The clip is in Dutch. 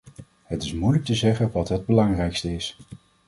Het is moeilijk te zeggen wat het belangrijkste is.